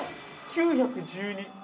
◆９１２。